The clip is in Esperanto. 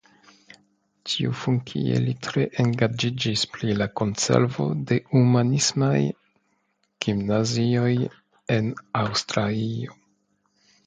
Tiufunkie li tre engaĝiĝis pri la konservo de humanismaj gimnazioj en Aŭstrio.